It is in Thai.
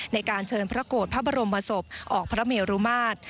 ในการเชิญพระโกรธพระบรมศพออกพระเมรุมาตร